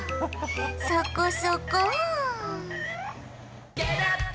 そこそこ。